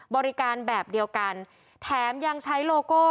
บริการแบบเดียวกันแถมยังใช้โลโก้